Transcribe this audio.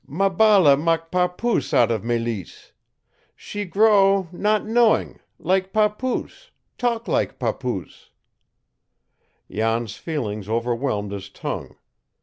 "Maballa mak papoose out of Mélisse. She grow know not'ing, lak papoose, talk lak papoose " Jan's feelings overwhelmed his tongue.